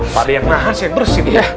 pakdeh yang nahan sih yang bersih nih ya